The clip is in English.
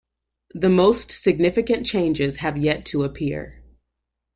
The most significant changes have yet to appear.